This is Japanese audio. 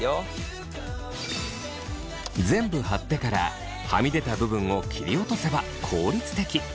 全部貼ってからはみ出た部分を切り落とせば効率的。